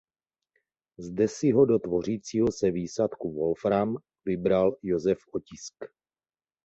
Zde si ho do tvořícího se výsadku Wolfram vybral Josef Otisk.